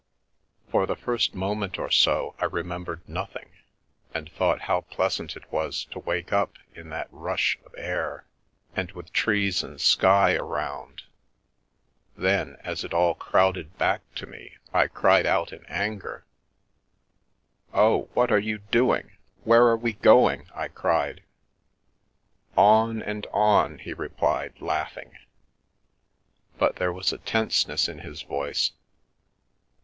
For the first moment or so I remembered nothing, and thought how pleasant it was to wake up in that rush of The Rape of the Lock air and with trees and sky around ; then, as it all crowded back to me, I cried out in anger. " Oh, what are you doing? Where are we going? I cried. "On — and on!" he replied, laughing, but there wa a tenseness in his voice.